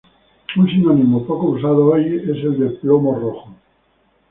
Un sinónimo poco usado hoy es el de "plomo rojo".